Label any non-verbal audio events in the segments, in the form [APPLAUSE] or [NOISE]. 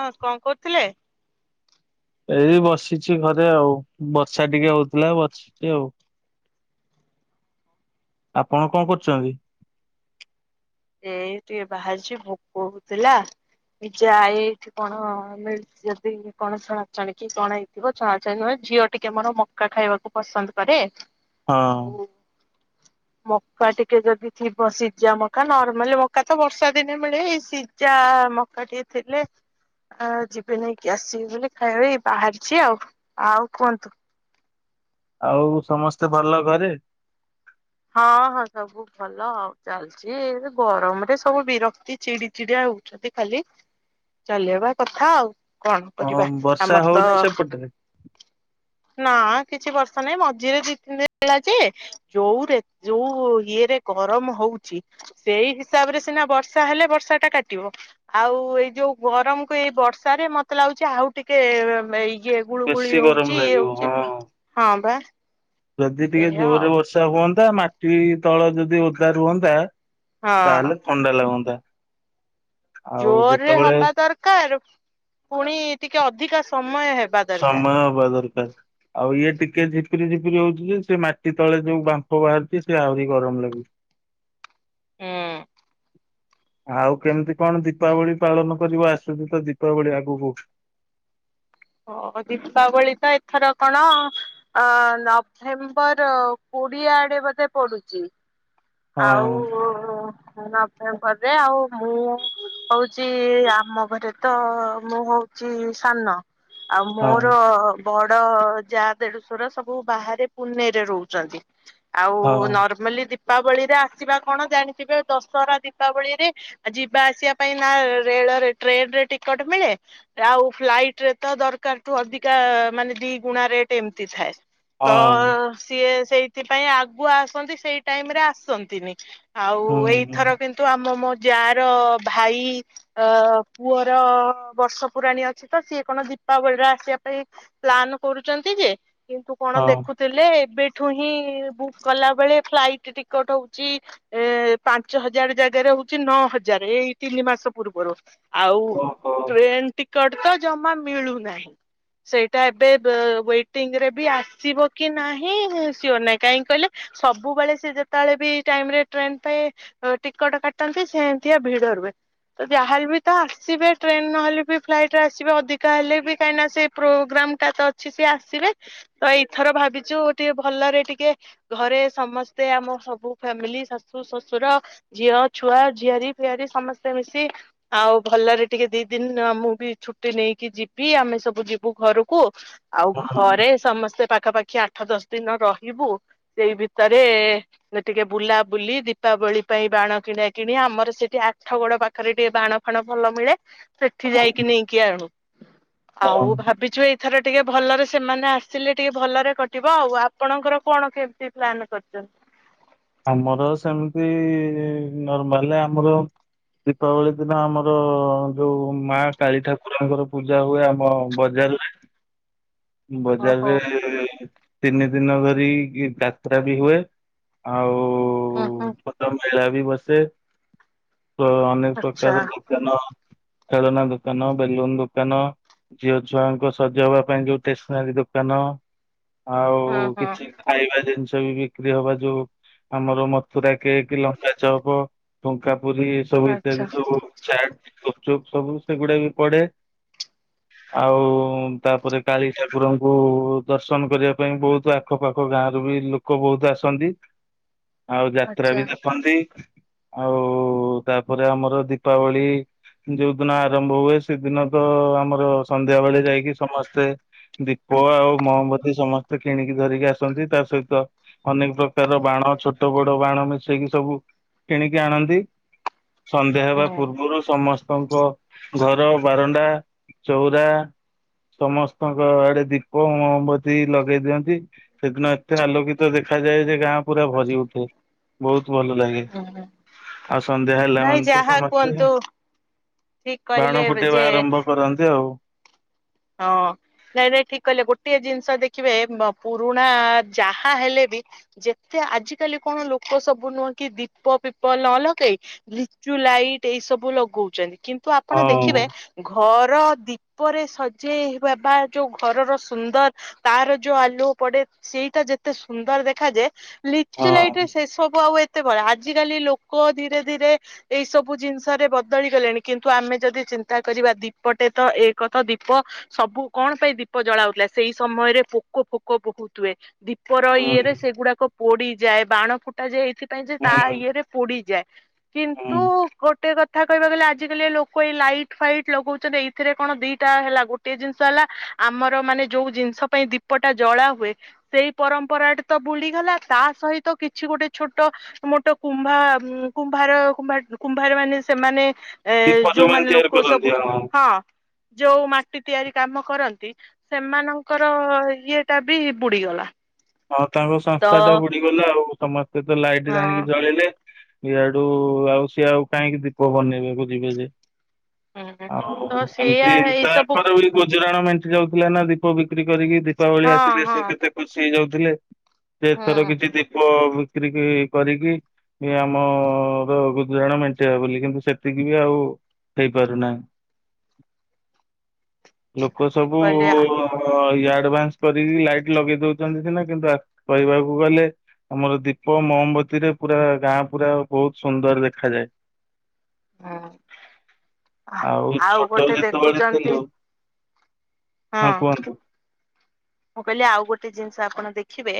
ହଁ କଣ କରୁଥିଲେ ଏଇ ବସିଛି ଘରେ ଆଉ ବର୍ଷା ଟିକେ ହଉଥିଲା ବସିଛି ଆଉ ଆପଣ କଣ କରୁଛନ୍ତି ଏ ଟିକେ ବାହାରିଛି ଭୋକ ହଉଥିଲା ନିଜ ଆଏ ଏଇଠି କଣ ମିଲି ଯଦି କଣ ଛଣାଛଣି କି କଣ ହେଇଥିବ ଛଣାଛଣି ନୁହେଁ ଝିଅ ଟିକେ ମୋର ମକା ଖାଇବାକୁ ପସନ୍ଦ କରେ ହଁ ଆଉ ମକା ଟିକେ ଯଦି ଥିବ ସିଜା ମକ ମକା ନର୍ମାଲ ମକା ତ ବର୍ଷା ଦିନେ ମିଳେ ଏଇ ସିଝା ମକା ଟିକେ ଥିଲେ ଆ ଯିବି ନେଇକି ଆସିବି ବୋଳି ଖାଇଵା ପାଇଁ ବାହାରିଛି ଆଉ କୁହନ୍ତୁ ଆଉ ସମସ୍ତେ ଭଲ ଘରେ ହଁ ହଁ ସବୁ ଭଲ ଆଉ ଚାଲିଛି ଗରମରେ ସବୁ ବିରକ୍ତି ଚିଡି ଚିଡିଆ ହେଉଛନ୍ତି ଖାଲି ଚଲେଇବା କଥା ଆଉ କଣ ହଁ କରିବା ବର୍ଷା ଆମର ତ ହଉନି ସେପଟରେ ନା କିଛି ବର୍ଷ ନାଇଁ ମଝିରେ ଦି ତିନି ଦିନ ହେଲା ଯେ ଯୋଉଁ ରେ ଯୋଉଁ ହିଏରେ ଗରମ ହଉଛି ସେଇ ହିସାବରେ ସିନା ବର୍ଷା ହେଲେ ବର୍ଷା ଟା କାଟିବ ଆଉ ଏଇ ଯୋଉ ଗରମକୁ ଏଇ ବର୍ଷରେ ମତେ ଲାଗୁଛି ଆଉ ଟିକେ ଏଇ ଯେ ଗୁଳୁ ଗୁଳି ବେଶୀ ଗରମ ହଉଛି ଇଏ ଲାଗିବ ହଉଛି ହଁ। ହଁ ବା ଯଦି ଟିକେ ସେଇଆ ଆଉ ଜୋରରେ ବର୍ଷା ହୁଅନ୍ ପୁରା ମାଟି ତଳ ଯଦି ଓଦା ରୁହନ୍ତା ହଁ ତାହେଲେ ଥଣ୍ଡା ଲାଗନ୍ତା [INAUDIBLE] ଆଉ ଜୋରରେ ଯେତେବେଳେ ହାୱା ଦରକାର ପୁଣି ଟିକେ ଅଧିକା ସମ ସମୟ ହବା ଦରକାର ଆଉ ଇଏ ଟିକେ- ଟିକେ ଝିପ୍ରରି ଝିପରି ହଉଛି ଯେ ସେ ମାଟି ତଳେ ଯୋଉ ବାମ୍ଫ ବାହାରୁଛି ସେ ଆହୁରି ଗରମ ଲାଗୁଛି- ହୁଁ- ଆଉ କେମିତି କଣ ଦୀପାବଳି ପାଳନ କରିବ ଆସୁଛି ତ ଦୀପାବଳି ଆଗକୁଠ- ହ ଦୀପାବଳି ତ ଏଥର କଣ ଅ ନଭେମ୍ବର କୋଡିଏ ଆଡେ ବୋଧେ ପଡୁଛି- ହଁ। ଆଉ- ନଭେମ୍ବରରେ ଆଉ ମୁଁ ହଉଛି ଆମ ଘରେ ତ ମୁଁ ହଉଛି ସାନ- ଆଉ ହଁ ମୋର ବ- ଯା ଦେଢସର ସବୁ ବାହାରେ ପୁନେଇରେ ରହୁଛନ୍ତି- ଆଉ ହଁ ନର୍ମାଲି- ଦୀପାବଳିରେ ଆସିବା କଣ ଜାଣିଥିବେ ଦଶହରା ଦୀପାବଳିରେ ଯିବା ଆସିବା ପାଇଁ ନା ରେଳରେ ଟ୍ରେନ ରେ ଟିକଟ ମିଳେ ଆଉ ଫ୍ଲାଇଟ ରେ- ତ ଦରକାରଠୁ ଅଧିକା ମାନେ ଦି ଗୁଣା ରେଟ ଏମିତି ଥାଏ- ତ ହଁ ସିଏ- ସେଇଥିପାଇଁ ଆଗୁ ଆସନ୍ତି ସେଇ ଟାଇମ ରେ ଆସନ୍ତିନି- ଆଉ ହୁଁ ଏଇଥର କିନ୍ତୁ ଆମ ମୋ- ଯା ର ଭାଇ ଅ ପୁଅର ବର୍ଷ ପୁରାଣୀ ଅଛି ତ ସିଏ କଣ ଦି- ଦୀପାବଳି ଆସିବା ପାଇଁ ପ୍ଲାନ କରୁଛନ୍ତି ଯେ- କିନ୍ତୁ କଣ ହଁ। ଦେଖୁଥିଲେ ଏବେ- ଏଠୁ ହିଁ ବୁକ୍ କଲା ବେଳେ ଫ୍ଲାଇଟ ଟିକଟ ହଉଛି ଏ ପାଞ୍ଚ ହଜାର ଜାଗାରେ ହଉଛି ନଅ ହଜାର ଏଇ ତିନି ମାସ ପୂର୍ବରୁ- ଆଉ ଓହୋ ଟ୍ରେନ୍ ଟିକେ- କଟକ ଜମା- ମିଳୁନାହିଁ ସେଇଟା ଏବେ ୱଟିଂରେ ବି ଆସିବ କି ନାହିଁ ସି ନାହିଁ କାହିଁକି କହିଲେ ସବୁବେଳେ ସେ ଯେତେବେଳେ ବି ଟାଇମରେ ଟ୍ରେନ ପାଇଁ ଟିକଟ କାଟନ୍ତି ସେମିତିଆ ଭିଡ ରୁଏ ତ ଯାହାହେଲେ ବି ତା ଆସିବେ ଟ୍ରେନ ନହେଲେ ବି ଫ୍ଲାଇଟ ରେ ଆସିବେ ଅଧିକ- ହେଲେ ବି କାହିଁନା ସେ ପ୍ରୋଗ୍ରାମ ଟା ତ ଅଛି ସି ଆସିବେ ତ ଏଇଥର ଭାବିଚୁ ଟିକେ ଭଲରେ ଟିକେ ଘରେ ସମସ୍ତେ ଆମ ସବୁ ଫ୍ୟାମିଲି ଶାଶୁ ଶ୍ୱଶୁର ଝିଅ ଛୁଆ ଝିଆରି ଫିଆରି ସମସ୍ତେ ମିଶି ଆଉ ଭଲରେ ଟିକେ ଦି ଦିନ ଆମଁ ବି ଛୁଟି ନେଇକି- କି ଯିବି ଆମେ ସବୁ ଯିବୁ ଘରକୁ- ଆଉ ହୁଁ ଘରେ ସମସ୍ତେ ପାଖାପାଖି- ଆଖି ଆଠ ଦଶ ଦିନ ରହିବୁ ସେଇ ଭିତରେ ଟିକେ ବୁଲାବୁଲି ଦୀପାବଳି ପାଇଁ ବାଣ କିଣା କିଣି ଆମର ସେଠି ଆଠ ଗୋଡ ପାଖରେ ଟିକେ ବାଣ ଫାଣ ଭଲ ମିଳେ- ସେଠି ଯାଇକି ହୁଁ ନେଇକି ଆଣୁ- ହଁ। ଆଉ ଭାବିଛୁ ଏଇଥର- ଟିକେ ଭଲରେ ସେମାନେ ଆସିଲେ ଟିକେ ଭଲରେ କଟିବ ଆଉ ଆପଣଙ୍କର କଣ କେମତି ପ୍ଲାନ କରିଛନ୍ତି- ଆମର ସେମିତି ନର୍ମାଲ ଆମର ଦୀପାବଳି ଦିନ ଆମର ଯୋଉ ମା କାଳୀ ଠାକୁରଙ୍କର ପୂଜା ହୁଏ ଆମ ବଜାରରେ- ଓହୋ। ବଜାରରେ- ତିନି ଦିନ ଧରି ଯାତ୍ରା ବି ହୁଏ ଆଉ- ହ ହୋ- ଛୋଟ ମେଳା ବି ବସେ- ତ ଅନେକ ଆଚ୍ଛା ପ୍ରକାର ଦୋକାନ- ଖେଳନା ଦୋକାନ ବେଲୁନ ଦୋକାନ ଝିଅ ଝୁଆଙ୍କୁ ସଜେଇବା ପାଇଁ ଯୋଉ- ଷ୍ଟେସନାରୀ ଦୋକାନ। ଆଉ ହଁ ହଁ କିଛି ଖାଇବା ଜିନି । ବି ବିକ୍ରି ହବା ଯୋଉ ଆମର ମଥୁରା କେକ ଲଙ୍କା ଚପ ଫୁଙ୍କା। ପୁରି ଏ ସବୁ ଆଚ୍ଛା ଇତ୍ୟାଦି ସବୁ ଚାଟ। ଚୋପ ସବୁ ସେଗୁଡା ବି ପଡେ ଆଉ ତାପରେ। କାଳୀ ଠାକୁରଙ୍କୁ ଦର୍ଶନ କରିବା ପାଇଁ ବହୁତ ଆଖପାଖ ଗାଁରୁ ବି ଲୋକ ବହୁତ ଆସନ୍ତି। ଆଉ ଯାତ୍ରା ଆଚ୍ଛା ବି ଦେଖନ୍ତି। ଆଉ ତାପରେ ଆମର ଦୀପାବଳି ଯୋଉ ଦିନ ଆରମ୍ଭ ହୁଏ ସେଦିନ ତ ଆମର ସନ୍ଧ୍ୟା ବେଳେ ଯାଇକି ସମସ୍ତେ। ଦୀପ ଆଉ ମହମବତୀ ସମସ୍ତେ କିଣିକି ଧରିକି ଆସନ୍ତି ତା ସହିତ ଅନେକ ପ୍ରକାର ବାଣ ଛୋଟ ବଡ ବାଣ ମିଶେଇକି ସବୁ କିଣିକି ଆଣନ୍ତି। ସନ୍ଧ୍ୟା ହୁଁ ହେବା ପୂର୍ବରୁ ସମସ । ତାଙ୍କ ଘର ବାରଣ୍ଡା ଚଉରା ସମସ୍ତ। ଙ୍କ ଆଡେ ଦୀପ ମହମବତୀ ଲଗେଇ ଦିଅନ୍ତି ସେଦିନ ଏତେ ଆଲୋକିତ ଦେଖାଯାଏ ଯେ ଗାଁ ପୁରା ଭରି ଉଠେ ବହୁତ। ଭଲ ଲାଗେ ହୁଁ। ଆଉ ସନ୍ଧ୍ୟା ହେଲା ନାଇଁ ମାନେ ତ ଯାହା ସମସ୍ତେ କୁହନ୍ତୁ ଠିକ ବାଣ କହିଲେ ଫୁଟେଇବା ଯେ ଆରମ୍ଭ କରନ୍ତି ଆଉ। ହଁ ନାଇଁ ଭାଇ ଠିକ କହିଲେ ଗୋଟେ ଜିନିଷ ଦେଖିବେ ପୁରୁଣା ଯାହା ହେଲେ ବି ଯେତେ ଆଜିକାଲି କଣ ଲୋକ ସବୁ ନୁହଁ କି ଦୀପ ପିପ ନ ଲଗେଇ ଲିଚୁ ଲାଇଟ୍ ଏଇ ସବୁ ଲଗଉଛନ୍ତି। କିନ୍ତୁ ଆପଣ ହଁ ଦେଖିବେ ଘର। ର ଦୀପରେ ସଜ। ସେ ବାବା ଯୋଉ ଘରର ସୁନ୍ଦର ତାର ଯୋଉ ଆଲୁଅ ପଡେ ସେଇଟା ଯେତେ ସୁନ୍ଦର ଦେଖାଯାଏ। ଲିଚି ହଁ ଲାଇଟେ ସେ ସବୁ ଆଉ ଏ। କେତେ ବ ଆଜିକାଲି ଲୋକ ଧୀରେ ଧୀରେ ଏଇ ସବୁ ଜିନିଷରେ ବଦଳି ଗଲେଣି କିନ୍ତୁ ଆମେ ଯଦି ଚିନ୍ତା କରିବା ଦୀପଟେ ତ ଏକ ତ ଦୀ । ପ ସବୁ କଣ ପାଇଁ ଦୀପ ଜଳାଉଥିଲା ସେଇ ସମୟରେ ପୋକ ଫୋକ ବହୁତ ହୁଏ ଦୀ । ପ ହୁଁ ଇଏରେ ସେଗୁଡାକ। ପୋଡିଯାଏ ବାଣ ଫୁଟା ଯାଏ ଏଇଥି। ପାଇଁ ଯେ ତା ହୁଁ ଇଏରେ ପୋଡିଯାଏ। ହୁଁ କିନ୍ତୁ ଗୋଟେ କ । ଥା କହିବା ଗଲେ ଆଜିକାଲି ଲୋକ ଏଇ ଲାଇଟ୍ ଫାଇଟ୍ ଲଗଉଛନ୍ତି ଏଇଥିରେ କଣ ଦେଇ। ହେଲା ଗୋଟେ ଜିନିଷ ହେଲା ଆମର ମାନେ ଯୋଉ ଜିନିଷ ପାଇଁ ଦୀପ ଟା ଜଳା ହୁଏ ସେଇ ପରମ୍ପରାଟା ତ ବୁଡିଗଲା ତା ସହିତ କିଛି ଗୋଟେ ଛୋଟ ମୋଟ କୁମ୍ଭ କୁମ୍ଭାର କୁମ୍ଭାର ମାନେ ସେମାନେ। ଏ ଦୀପ ଯୋଉମାନେ ତିଆରି ଲୋକ ସବୁ କରନ୍ତି ହଁ। ଯୋଉ ମାଟି ତିଆରି କାମ କରନ୍ତି ସେମାନଙ୍କର ଇଏ ଟା ବି ବୁଡିଗଲା। ହଁ ତାଙ୍କ ତ ସଂସ୍ଥା ଟା ବୁଡିଗଲା ଆଉ। ସମ। ସେ ତ ଲାଇଟରେ ଆଣିକି ହଁ କ। ଇଆଡୁ ଆଉ ସିଏ ଆଉ କାହିଁକି ଦୀପ ବନେଇବେକୁ ଯିବେ ଯେ। ହୁଁ ଆଉ ତ ସେଇଆ ଏମିତି ଏଇ ସବୁ ତାପରେ ବି ଗୁଜୁରାଣ ମେନ । ଯାଉଥିଲା ନା ଦୀପ ବିକ। ବିକ୍ରି କରିକି ଦୀପାବଳି ହଁ ଆସିଲେ ହଁ ସେ କେତେ ଖୁସି ହେଇଯାଉ। ଅଲେ ଯେଥର ହୁଁ କିଛି ଦୀପ ବିକ୍ରି କରିକି ଆମର ଗୁଦୁରାଣ ମେଣ୍ଟିବା ବୋଲି କିନ୍ତୁ ସେତିକି ବି ଆଉ ହେଇପାରୁନାହିଁ। ଲୋକ ଠିକ ସବୁ କହିଲେ ଆଡଭାନ୍ସ କରିକି ଲାଇଟ୍ ଲଗେଇ ଦଉଛନ୍ତି ସିନା କିନ୍ତୁ କହିବାକୁ ଗଲେ ଆମର ଦୀପ ମୋମବତୀ ରେ ପୁରା ଗାଁ ପୁରା ବହୁତ ସୁନ୍ଦର ଦେଖାଯାଏ। ହଁ ଆଉ ଛୋଟ ଗୋଟେ ଯେତେବେଳେ ଦେଖୁଛନ୍ତି ଥିଲୁ ହଁ କୁହନ୍ତୁ। ମୁଁ କହିଲି ଆଉ ଗୋଟେ ଜିନିଷ ଆପଣ ଦେଖିବେ।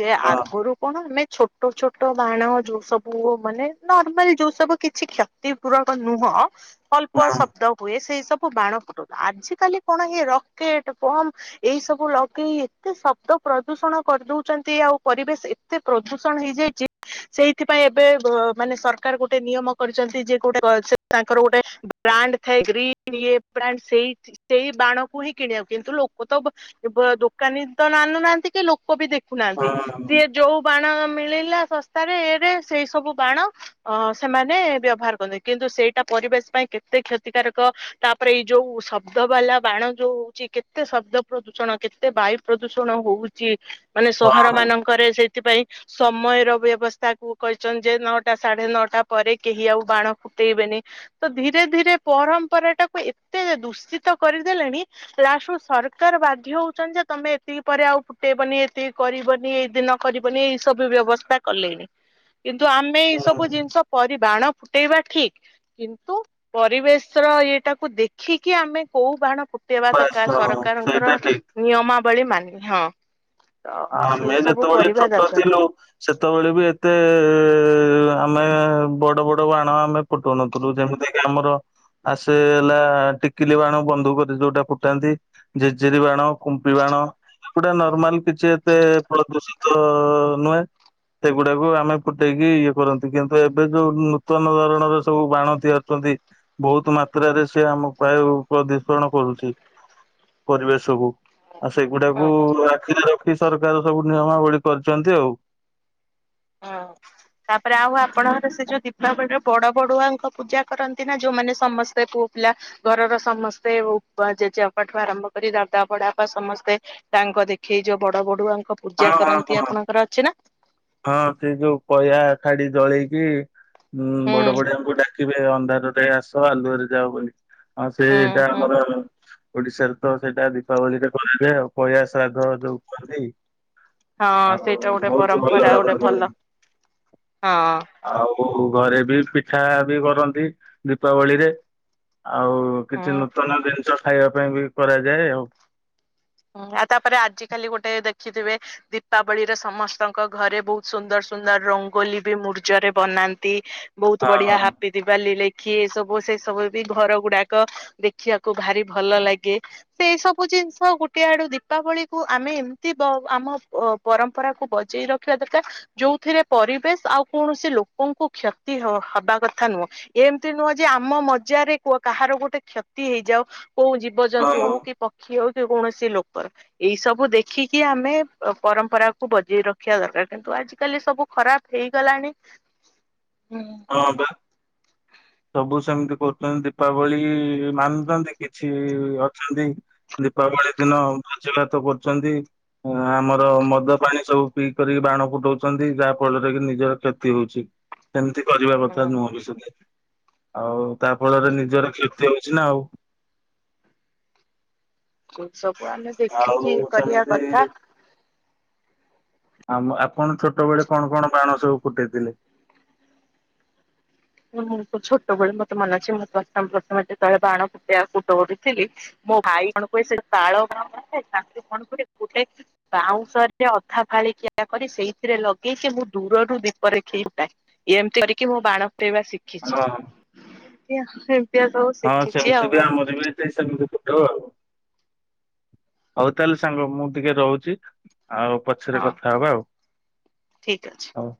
ଯେ ହଁ ଆଗରୁ କଣ ଆମେ ଛୋଟ ଛୋଟ ବାଣ ଯୋଉ ସବୁ ମାନେ ନର୍ମାଲ ଯୋଉ ସବୁ କିଛି କ୍ଷତି ପୂରକ ନୁହଁ। ଅଳ୍ପ ହଁ ଶବ୍ଦ ହୁଏ ସେଇ ସବୁ ବାଣ ଫୁଟୁ ଆଜି କାଲି କଣ ରକେଟ ପମ୍ ଏଇ ସବୁ ଏତେ ଶବ୍ଦ ପ୍ରଦୂଷଣ କରିଦଉଛନ୍ତି ଆଉ ପରିବେଶ ଏତେ ପ୍ରଦୂଷଣ ହେଇଯାଇଛି ସେଇଥିପାଇଁ ଏବେ ମାନେ ସରକାର ଗୋଟେ ନିୟମ କରିଛନ୍ତି ଯେ ଗୋଟେ ତାଙ୍କର ଗୋଟେ ବ୍ରାଣ୍ଡ ଥାଏ୍ରୀ ସେଇ ବାଣକୁ ହିଁ କିଣିବାକୁ କିନ୍ତୁ ଲୋକ ତ ଦୋକାନୀ ତ ନାନୁ ନାହାନ୍ତି କେ ଲୋକ ବି ଦେଖ ଦେଖୁନାହାନ୍ତି ହଁ ସିଏ ଯୋଉ ବାଣ ମିଳିଲା ଶସ୍ତାରେ ଏରେ ସେଇ ସବୁ ବାଣ ଅ ସେମାନେ ବ୍ୟବହାର କରନ୍ତି କିନ୍ତୁ ସେଇଟା ପରିବେଶ ପାଇଁ କେତେ କ୍ଷତିକାରକ ତାପରେ ଏଇ ଯୋଉ ଶବ୍ଦ ବାଲା ବାଣ ଯୋଉ ହଉଛି କେତେ ଶବ୍ଦ ପ୍ରଦୂଷଣ। କେତେ ବାୟୁ ପ୍ରଦୂଷଣ ହଉଛି। ମାନେ ହଁ ସହର ହଁ ମାନଙ୍କରେ ସେ ସେଥିପାଇଁ ସମୟର ବ୍ୟବସ୍ଥା କ କହିଛନ ଯେ ନଅଟା ସାଢେ ନଅଟା ପରେ କେହି ଆଉ ବାଣ ଫୁଟେଇବେନି ତ ଧୀରେ ଧୀରେ ପରମ୍ପରା ଟାକୁ ଏତେ ଦୂଷିତ କରିଦେଲେଣି ଯାହା ସୁ ସରକାର ବାଧ୍ୟ ହଉ ଯେ ତମେ ଏତିକି ପରେ ଆଉ ଫୁଟେଇବନି ଏତିକି କରିବନି ଏଇ ଦିନ କରିବନି ଏଇ ସବୁ ବ୍ୟବସ୍ଥା କଲେଣିି। କିନ୍ତୁ ଆମେ ଏଇ ସବୁ ଜିନିଷ ବାଣ ଫୁଟେଇବା ଠିକ କିନ୍ତୁ ପରିବେଶ ର ଇଏଟାକୁ ଦେଖିକି ଆମେ କୋଉ ବାଣ ଫୁ ବସ ସେଇଟା ଠିକ। କମାବଳି ମାନିବି ହଁ। ତ ସେଇ ଆମେ ସବୁ ଯେତେବେଳେ କରିବା ଛୋଟ ଦରକାର। ଥିଲୁ ସେତେବେଳେ ବି ଏତେ ଆମେ ବଡ ବଡ ବାଣ ଆମେ ଫୁଟଉନଥିଲୁ ଯେମିତିକ ଆମର ଆସେ ହେଲା ଟିକିଲି ବାଣ ବନ୍ଧୁକ ଯୋଉଟା ଫୁଟାନ୍ତି ଜେଜେରୀ ବାଣ କୁମ୍ପି ବାଣ ଗୁଟା ନର୍ମାଲ କିଛି। କେତେ ଫଳ ଦୂଷିତ ନୁହେଁ ସେଗୁଡାକୁ ଆମେ ଫୁଟେଇକି ଇଏ କରନ୍ତି କିନ୍ତୁ ଏବେ ଯୋଉ ନୂତନ ଧରଣର ସବୁ ବାଣତି ଅଛନ୍ତି ବହୁତ ମାତ୍ରାରେ ସେ ଆମ ବାୟୁ ପ୍ରଦୂଷଣ କରୁଛି ପରିବେଶକୁ। ଆଉ ହଁ ସେଗୁଡାକୁ ହଁ ଆଖି କି ସରକାର ସବୁ ନିୟମାବଳୀ କରିଛନ୍ତି ଆଉ। ହଁ ତାପରେ ଆଉ ଆପଣଙ୍କର ସେ ଯୋଉ ଦୀପାବଳିର ବଡ ବଡୁଆଙ୍କ ପୂଜା କରନ୍ତି ନା ଯୋଉମାନେ ସମସ୍ତେ ପୋଅ ପିଲା ଘରର ସମସ୍ତେ ଜେଜେପଠୁ ଆରମ୍ଭ କରି ଦାଦା ପଡା ବା ସମସ୍ତେ ତାଙ୍କ ଦେଖେଇ ଯୋଉ ବଡ ବଡୁଆ। ଲୋକ ପୂଜା ହଁ ହଁ କରନ୍ତି ହଁ। ଆପଣଙ୍କର ଅଛି ନା। ହଁ ସେ ଯୋଉ କହା ଖାଡି ଜଳେଇକି ହୁଁ ବଡ ବଡଆମଡ କେେ ଅନ୍ଧାରରେ ଆସ ଆଲୁଅରେ ଯାଅ ବୋଲି। ହଁ ସେ ହୁଁ ଏଇଟା ହୁଁ ଆମର ଓଡିଶାରେ ତ ସେଇଟା ଦୀପାବଳିରେ ଗଣାଯାଏ ଆଉ ପଇୟା ଶ୍ରାଦ୍ଧ ଯୋଉ କୁହନ୍ତି। ହଁ ଆଉ ସେଇଟା ଗୋଟେ ବହୁତ ଭଲ ପରମ୍ପରା ଗୋଟେ ଭାବରେ ହୁଏ। ଭଲ ହଁ ଓହୋ ଘରେ ବି ପିଠା ବି କରନ୍ତି ଦୀପାବଳିରେ ଆଉ ହଁ କିଛି ନୂତନ ଜିନିଷ ଖାଇବା ପାଇଁ ବି କରାଯାଏ ଆଉ ହଁ ତାପରେ ଆଜି କାଲି ଗୋଟେ ଦେଖ ଦେଖିଥିବେ ଦୀପାବଳିରେ ସମସ୍ତଙ୍କ ଘରେ ବହୁତ ସୁନ୍ଦର ସୁନ୍ଦର ରଙ୍ଗୋଲି ବି ମୂର୍ଜରେ ବନାନ୍ତି। ବହୁତ ହଁ ବଢିଆ ହାପି ଦିିବାଲି ଲେ ସିଏ ସବୁ ସେ ସବୁ ବି ଘର ଗୁଡାକ ଦେଖିବାକୁ ଭାରି ଭଲ ଲାଗେ ସେଇ ସବୁ ଜିନିଷ ଗୋଟେ କେଆଡୁ ଦୀପାବଳି କୁ ଆମେ ଏମିତି ଆମ ପରମ୍ପରା କୁ ବଜେଇ ରଖିବା ଦରକାର ଯୋଉଥିରେ ପରିବେଶ ଆଉ କୌଣସି ଲୋକଙ୍କୁ କ୍ଷତି ହବା କଥା ନୁହଁ ଏମିତି ନୁହଁ ଯେ ଆମ ମଜାରେ କାହାର ଗୋଟେ କ୍ଷତି ହେଇଯାଉ। କୋଉ ହଁ ଜୀବଜନ୍ତୁ ହଁ ହୋଉ କି ପକ୍ଷୀ ହୋଉ ସେ କୋୖଣସି ସେ ଲୋକର ଏଇ ସବୁ ଦେଖିକି ଆମେ ପରମ୍ପରାକୁୁ ବଜେଇ ରଖିବା ଦରକାର କିନ୍ତୁ ଆଜିିକାଲି ସବୁ ଖରାପ ହେଇଗଲାଣି। ହଁ ବା ସବୁ ସେମିତି କରୁଚନ୍ତି ଦୀପାବଳି ମାନୁଚନ୍ତି କିଛି ଅଛନ୍ତି ଦୀପାବଳି ଦିନ ଭୋଜି ଭାତ କରୁଚନ୍ତି ଆମର ମଦ ପାଣି ସବୁ ପିଇ କରିକି ବାଣ ଫୁଟଉଚନ୍ତି ଯାହା ଫଳରେ କି ନିଜର କ୍ଷତି ହଉଚି ସେମିତି କରିବା କଥା ହଁ ନୁହଁ ବି ସୁଧେ ଆଉ ତା ଫଳରେ ଠିକ ନିଜର କ୍ଷତି ଚିନା ଆଉ [INAUDIBLE] ସବୁ ଆମେ ଆଉ ଦେଖିକି ଇ କରିବା ସେମିତି କଥା। [INAUDIBLE] ଆମ ଆପଣ ଛୋଟ ବେଳେ କଣ କଣ ବାଣ ସବୁ ଫୁଟେଇଥିଲେ? ମୁଁ ଛୋଟବେଳେ ମତେ ମନ ଅଛି ମୁଁ ପ୍ରଥମେ ପ୍ରଥମେ ଯେତେବେଳେ ବାଣ ଫୁଟେଇବାକୁ ଡରୁଥିଲି ମୋ ଭାଇ କଣ କୁହେ ସେ ତାଳ ବାଣଥାଏ ତାଙ୍କୁ କଣ କରେ ଗୋଟେ ବାଉଁଶରେ ଅଧା ଫାଳି କିିଆ କରି ସେଇଥିରେ ଲଗେଇକି ସେ ମୁଁ ଦୂରରୁ ଦୀପ ଦେଖେଇ ଫୁଟାଇ ଏମିତି କରିକି ମୋ ବାଣ ସେଇରା ଶିଖିଚି। ହଁ [UNINTELLIGIBLE] ହଁ ସେମିତି ବି ଆମର ବି ଏଠି ସେମିତି ଫୁ ହ୍ୟାଲୋ ହୋଉ ତାହେଲେ ସାଙ୍ଗ ମୁଁ ଟିକେ ରହୁଚି। ଆଉ ପଛରେ ହଁ କଥା ହବା ଆଉ ଠିକ ଅଛି। ହୋଉ।